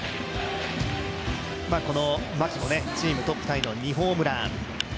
牧もチームトップタイの２ホームラン。